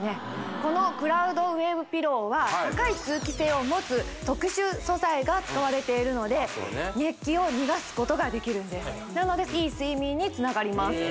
このクラウドウェーブピローは高い通気性を持つ特殊素材が使われているので熱気を逃がすことができるんですなのでいい睡眠につながります